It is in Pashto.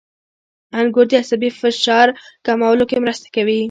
• انګور د عصبي فشار کمولو کې مرسته کوي.